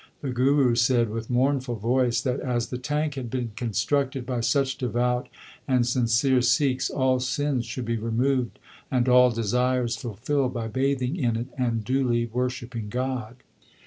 The Guru said with mournful voice, that, as the tank had been constructed by such devout and sincere Sikhs, all sins should be removed and all desires fulfilled by bathing in it and duly worshipping God.